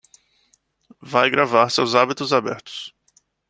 Vai gravar seus hábitos abertos